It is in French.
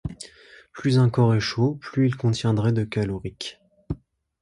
Plus un corps est chaud, plus il contiendrait de calorique.